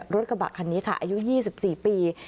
รถกระบะคันนี้ค่ะอายุ๒๔ปี